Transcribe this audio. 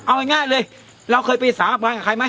เอาง่ายเลยเราเคยไปสาบานกับใครไหม